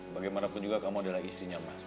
bagaimanapun juga kamu adalah istrinya mas